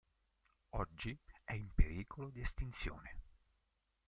Oggi è in pericolo di estinzione.